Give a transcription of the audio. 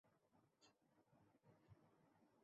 তাকে প্রজ্জ্বলিত রাখার দায়িত্ব আমাকে দেয়া হল।